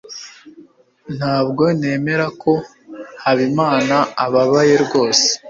Ntabwo nemera ko Habimana ababaye rwose.